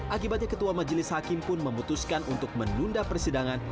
akibatnya ketua majelis hakim pun memutuskan untuk menunda persidangan